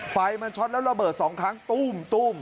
ไฟมันช็อตแล้วระเบิด๒ครั้งตุ้ม